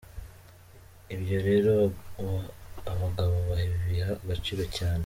Ibyo rero abagabo babiha agaciro cyane.